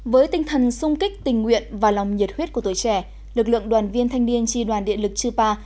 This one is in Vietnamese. với tinh thần sung kích tình nguyện và lòng nhiệt huyết của tuổi trẻ lực lượng đoàn viên thanh niên tri đoàn điện lực chư pa